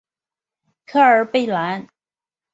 科尔贝兰。